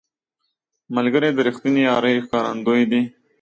ملګری د رښتینې یارۍ ښکارندوی دی